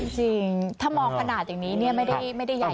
จริงถ้ามองขนาดอย่างนี้ไม่ได้ใหญ่ที่คาดการณ์